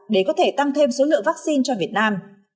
để có thể tăng thêm số lượng vắc xin cho việt nam